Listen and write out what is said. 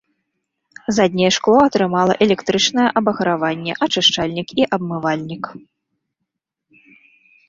Задняе шкло атрымала электрычнае абаграванне, ачышчальнік і абмывальнік.